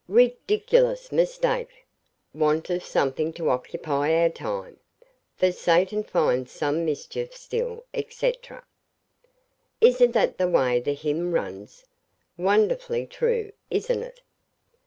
'Ridiculous mistake. Want of something to occupy our time. "For Satan finds some mischief still," etc. Isn't that the way the hymn runs? Wonderfully true, isn't it?